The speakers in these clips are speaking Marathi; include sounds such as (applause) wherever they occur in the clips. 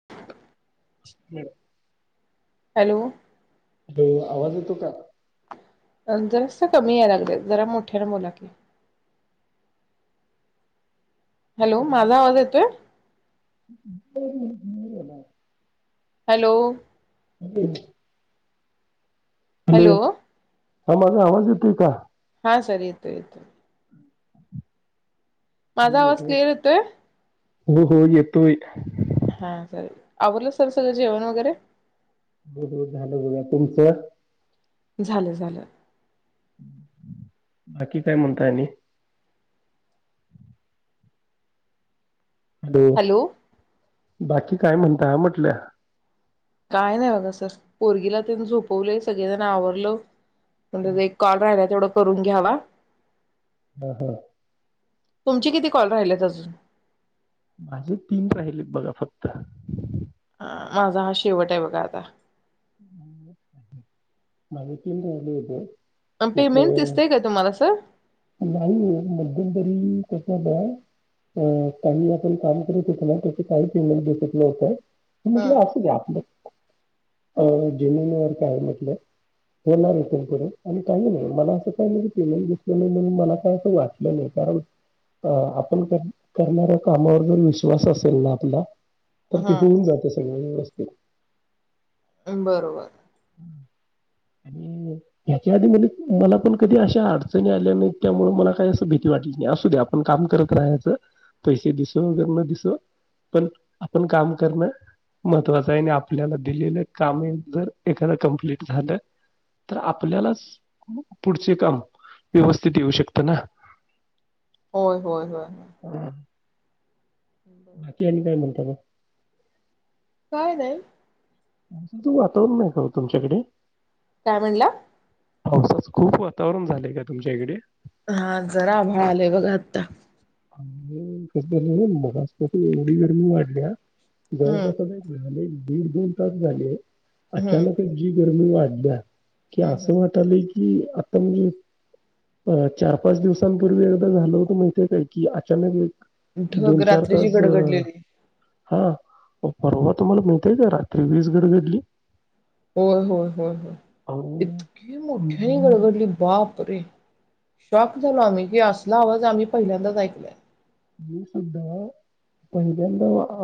(inaudible) हम्म. हॅलो. आवाज येतो का? पण जरासं कमी यायला लागल की जरा मोठ्याने बोला की. हॅलो माझा आवाज येतोय? (unintelligible) हॅलो. (unintelligible) हॅलो. हा माझा आवाज येतोय का? हा सर येतोय येतोय. माझा आवाज नेटवर्क क्लिअर येतोय? हो हो येतोय. हा सर, आवरलं सर सगळं जेवण वगैरे? बूधबूध झालं बघा. तुमचं? झालं झालं. बाकी काय म्हणताय आणि? हॅलो. बाकी काय म्हणता, म्हटलं? काय नाही बघा सर, पोरगीला तेन झोपवले, सगळेजण आवरलो. (unintelligible) एक कॉल राहिला तेवढं करून घ्यावा. हा हा. तुमचे किती कॉल राहिलेत अजून? माझे तीन राहिले बघा फक्त. माझा हा शेवट आहे बघा आता. माझे तीन राहिले होते. अन् पेमेंट म्हटलं, दिसतंय का तुम्हाला सर नाहीये मध्यंतरी त्याचं ब अ काही आपण काम करत होेतो ना, त्याचे काही पेमेंट दिसत नाही आता. मी हं म्हटलं असू द्या आपलं. अं जेननर काय म्हटलं. होणार इथून पुढे कर आणि काही नाही मला असं काही नाही की पेमेंट दिसलं नाही, म्हणून मला काही असं वाटलं नाही. कारण अ आपण करणाऱ्या कामावर जर विश्वास असेल ना आपला तर ते होऊन हं जातं सगळ्या हेला ओके. अं बरोबर. आणि ह्याच्या आधी मध्ये मला पण कधी अशा अडचणी आल्या नाहीत. त्यामुळं मला काही असं भीती वाटली नाही. असू द्या आपण काम करत राहायचं, पैसे दिसो मगर न दिसो. पण आपण काम करणं महत्वाचं आहे आणि आपल्याला दिलेलं काम हे जर एखाद कंप्लीट झालं, तर आपल्यालाच मग पुढचे काम व्यवस्थित येऊ शकतं ना. होय होय होय. होय हा. बाकी आणि काय म्हणताय मग? काय नाही मान्सूनचं वातावरण नव्ह का तुमच्याकडे? काय म्हणला? पावसाचं खूप वातावरण झालंय का तुमच्या इकडे? हां जरा आभळ आलंय बघा आता. आमच्या इकडे कसं झालंय मघाचपासून एवढी गर्मी वाढल्या जवळ हम्म पास (unintelligible) झालंय दीड दोन तास झाले. हम्म अचानक जो (unintelligible) की हम्म असं हम्म. वाटलंय की की आता मी चार पाच दिवसांपूर्वी एकदा झालं होत माहित की की अचानक ढग रात्रीची तास अ, गडगडलेली हा परवा तुम्हाला माहितीये का रात्री वीज गडगडली होय होय होय होय अहो इतके मोठ्याने मी घडघडली बाप रे शॉक झालो आम्ही हे असला आवाज आम्ही पहिल्यांदाच ऐकलंय मी सुद्धा पहिल्यांदा अ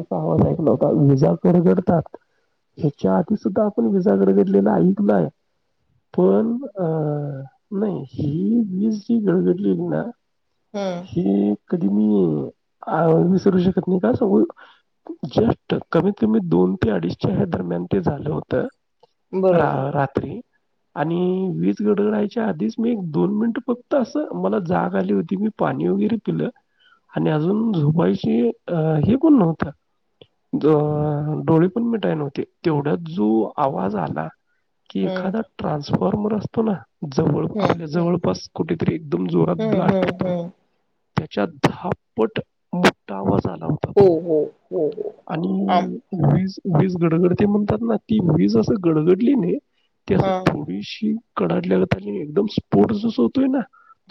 असं आवाज ऐकला होता वीजा गडगडतात ह्याच्या आधी सुद्धा आपण वीजा आवाज ऐकलाय व गडगडलेला ऐकलय पण अं नाही ही वीज जी गडगडलेली ना हम्म कधी मी विसरू शकत नाही का सांगू जस्ट कमीत कमी दोन ते अडीच च्या हाय दरम्यान ते झालं होतं. रा बरोबर. रात्री आणि वीज गडगडायच्या आधीच मी दोन मिनिट फक्त असं मला जागं आली होती मी पाणी वगैरे पिलं आणि अजून झोपायची अ हे पण नव्हतं जे डोळे पण मिटाय नव्हते तेवढ्यात जो आवाज आला. की हम्म एखादा (unintelligible) फॉर्मर असतो ना जवळ हम्म आपल्या जवळपास कुठेतरी एकदम जोरात हम्म ब्लास्ट हम्म करतात. हम्म. त्यांच्यात दहा पट मोठा आवाज आला होता हो तो हो हो हो आणि आ वीज वीज गडगडते म्हणतात ना ती वीज असं गडगडली ने हा त्यासं थोडीशी कडाडली एकदम स्पोर्टस जसं होतोय ना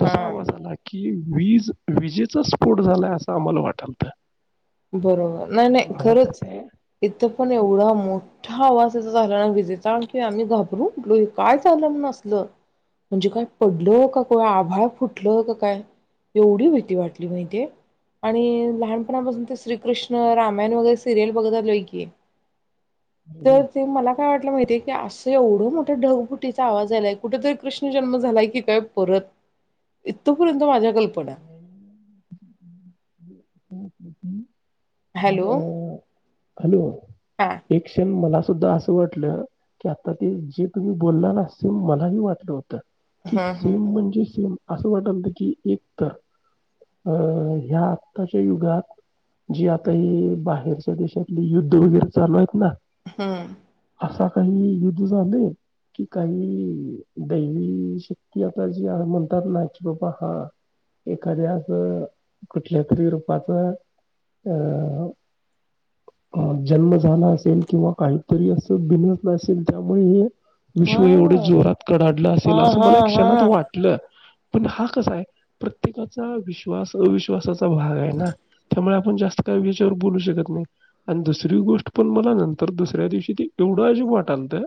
तसा हा. आवाज आला की वीज विजित स्फोट झालाय असं आम्हाला वाटलत बरोबर नाही-नाही खरंच ते इथं पण एवढा मोठ मोठा आवाज त्याचा झाला ना विजेचा की आम्ही घाबरू हे काय झालं म्हण असलं म्हणजे काय पडलं का आभाळ फुटलं का काय एवढी भीती वाटली माहितेेय आणि लहानपणापासून श्रीकृष्ण रामायण वगैरे सिरियल बघत आलोय की तर ते मला काय वाटलं माहित अस एवढं मोठा ढगबुटीचा आवाज आलाय कुठेतरी कृष्ण जन्म झालाय की काय परत इथ पर्यंत माझ्या कल्पना (unintelligible) हं हं - हं हं हॅलो - हॅलो हा एक क्षण मला- सुद्धा असं वाटलं, की आता ते जे तुम्ही बोलला ना सेम मलाही वाटलं होतं. कि हा हा सेम म्हणजे सेम. असं वाटायल त की, एक तर अ ह्या आत्ताच्या युगात जी (unintelligible) काही बाहेरच्या देशातली युद्ध वगैरे चालू आहेत ना? हम्म. असा काही युद्ध झालय कि काही दैवी शक्ती आता जी म्हणतात ना कि बाबा हा एखाद्या असं कुठल्या तरी रूपाच- अ अ जन्म झाला असेल किंवा काहीतरी असं बिनसलं असेसल त्यामुळे ही - विश्व एवढं हा जोरात कडाडलं असेल हा असं हा मला क्षणात हा वाटलं. पण हा कसाय? प्रत्येकाचा विश्वास, अविश्वासाचा भाग आहे ना? त्यामुळे आपण जास्त- काही विषयावर बोलू शकत नाही, आणि दुसरी गोष्ट मला नंतर दुसऱ्या दिवशी ते एवढं अजिब वाटाय लागलत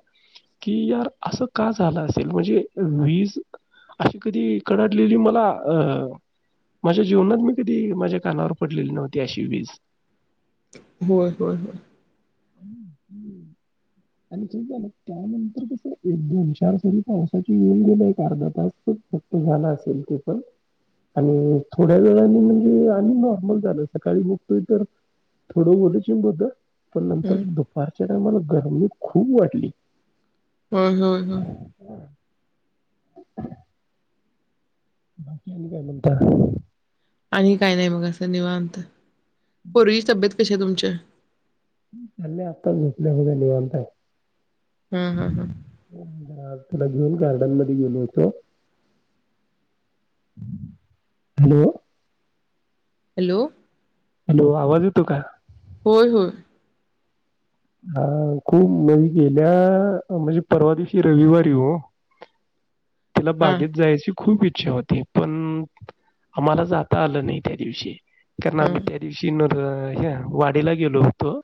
की यार असं का झालं असेल? म्हणजे एव्हढी वीज अशी कधी कडाडलेली मला अ माझ्या जीवनात मी कधी माझ्या कानावर पडलेली नव्हती अशी वीज. (inaudible) होय होय होय. हं हं. आणि ना त्यानंतर कस एक दोन चार सरी पावसाची येऊन गेल्या एक अर्धा तास फक्त झाला असेल ते पण आणि थोड्या वेळानी म्हणजे आणि नॉर्मल झालं सकाळी बघतोय तर थोडं ओल चिंब होत. पण नंतर हम्म दुपारच्या टाईमाला- गरमी- खूप वाटली. होय होय होय (inaudible) बाकी आणि काय म्हणता? आणि काय नाही मग असं निवांत. पोरगीची तब्येत- कशी आहे तुमच्या? (unintelligible) आता झोपलिया बघा निवांत. हम् हम् हम. तिला घेऊन गार्डन मध्ये गेलो होतो. -Hello- hello. हॅलो आवाज येतो का? होय होय. हा, खूप म गेल्या- म्हणजे परवा दिवशी रविवारी वो. तिला हां, बागेत जायची- खूप इच्छा होती, पण- आम्हाला जाता आलं नाही त्या दिवशी. कारण हं, आम्ही त्या दिवशी न- हं ह्या वाडीला गेलो होतो.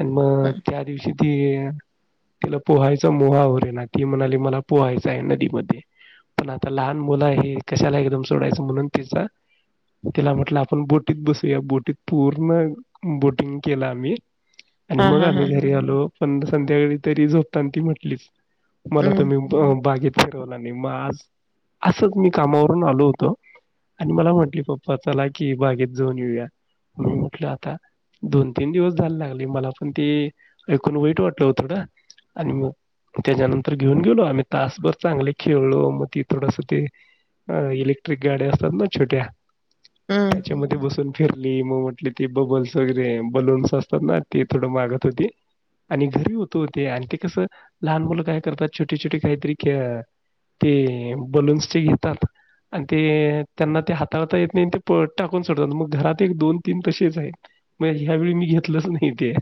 आणि मग हां, -त्या दिवशी- ती -तिला पोहायचा मोह आवरेना ती म्हणाली मला पोहायच आहे नदीत. मग ते पण आता लहान मुलं ये कशाला आपण सोडायच म्हणून त्याचा तिला म्हटलं आपण बोटीत बसूया बोटीत पूर्ण बोटिंग केला आम्ही आणि हां, मग हां, आम्ही हां, घरी आलो. पण संध्याकाळी तरी झोपताना ती म्हटलीच. मला हं, तुम्ही बागेत म्हणली मग आज असंच मी कामावरून आलो होतो आणि मला म्हटले पप्पा चला की बागेत जाऊन येऊया म्हटलं आता दोन तीन दिवस जायला लागले मला पण ते ऐकून वाईट वाटलं हो थोड आणि मग त्याच्यानंतर घेऊन गेलो आम्ही तासभर चांगले खेळलो मग ते थोडस ते इलेक्ट्रिक गाड्या असतात ना छोट्या हं. त्याच्यामध्ये बसून फिरली मग म्हटली ते बबल्स वगैरे बलून्स असतात ना ते थोडं मागत होते. आणि घरी होत होते. आणि ते कसं लहान मुलं काय करतात छोटे छोटे काहीतरी की ते बलून्सचे घेतात आणि ते त्यांना ते हाताळता येत नाही ते टाकून सोडतात मग घरात एक दोन तीन तसेच आहेत मग ह्या वेळी मी घेतलंच नाही ते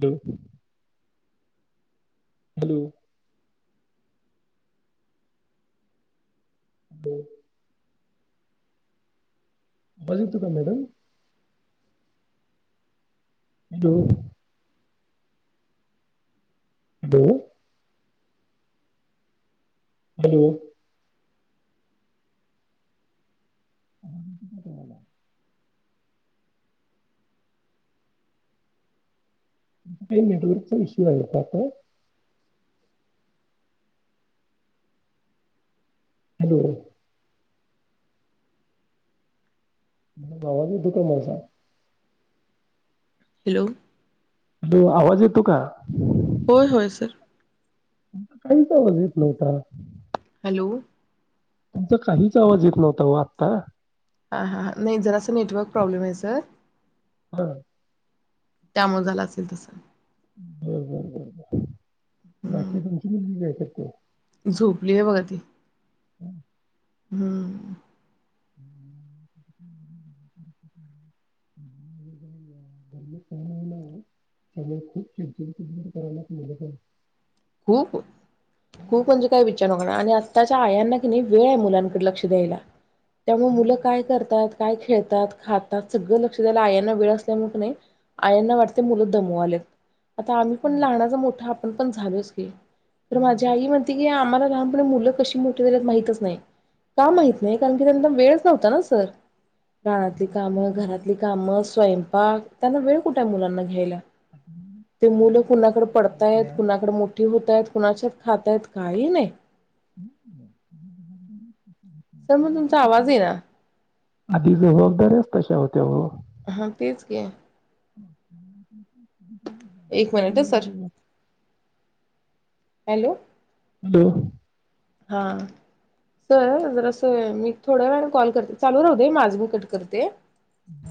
द (inaudible) (inaudible) (inaudible) बज तू का madam (inaudible) hello. Hello hello. (unintelligible) Touch विषय पाप (inaudible) हॅलो. आवाज येतो का माझा. हॅलो. हॅलो. आवाज येतो का? होय होय सर. काहीच आवाज येत नव्हता. हॅलो. तुमचा काहीच आवाज येत नव्हता व आत्ता हा हा ह नाही जरा असं नेटवर्क प्रॉब्लेम आहे सर हा. त्यामुळे झाला असेल तस. बरोबर बरोबर. हं, बाकी तुमची मुलगी काय करते. (unintelligible) झोपली आहे बघा ती (unintelligible) हम्म (unintelligible) ला ना त्या खूप चिचिती दूर करायलाच मिजत. खूप. खूप म्हणजे काय विचारु नको. आणि आत्ताच्या आयांना कि नाही वेळ आहे मुलांकडे लक्ष द्यायला. त्यामुळ मुलं काय करतात. काय खेळतात खातात सगळं लक्ष द्यायला आयांना वेळ असल्यामुळे की नाय आयांना वाटत की मुलं दमू आले. आता आम्ही पण लहानाच मोठा पण पण झालोच. (inaudible) तर माझी आई म्हणती की, आम्हाला लहानपणी मुलं कशी मोठी झालीत माहितच नाही. का माहित नाही कारण की त्यांना वेळ नव्हता ना सर प्रहातिल कामं घरातली कामं स्वयंपाक त्यांना वेळ कुठय मुलांना घ्यायला. ते मुलं आपल्या कुणाच्याच खात्यात काही नाही. ह (inaudible) (inaudible) सर म तुमचा आवाज येआ आधी जबाबदार्‍या तश्या होत्या हो. हा तेच ग. (inaudible) एक मिनिट सर (inaudible) हॅलो हॅलो हा सर जरास मी थोड्या वेळाने कॉल करते चालू राहू दे माझ मी कट करते.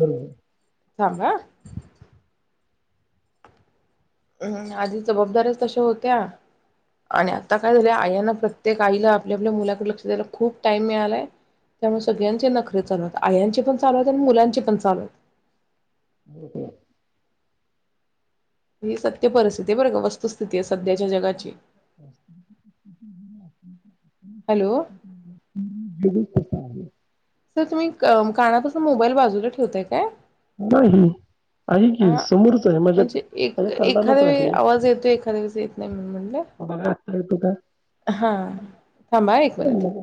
बरोबर हाहा. अम आधी जबाबदार्‍याच तशा होत्या आणि आता काय झालय आयांना प्रत्येक आईला आपल्या आपल्या मुलाकडे लक्ष द्यायला खूप टाइम मिळालाय. त्यामुळे सगळ्यांचे नखरे चालू आहे. आयांचे पण चालूयेत अन मुलांचे पण चालूयेत. मोठा ही सत्य परिस्थिती बरं का वस्तुस्थिती अस. हॅलो कसा आहे? सर तुम्ही काना पासन मोबाईल बाजूला ठेवताय का? नाही आहे हा की समोरच आहे माझ्या म्हणजे एक माझ्या कानालाच एखाद्या वेळी आहे आवाज येतोय एखाद्या वेळेस येत नाही म्हणून म्हणलं बघा आता येतो का हा थांबा ह एक काय नाही मिनिट बघा.